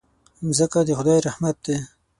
مځکه د خدای رحمت دی.